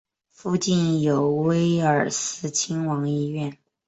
附近有威尔斯亲王医院。